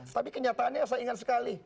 tapi kenyataannya saya ingat sekali